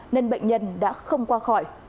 nên bệnh nhân đã không qua khỏi